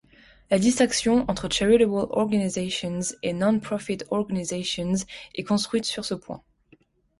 La distinction entre charitable organizations et non-profit organizations est construite sur ce point.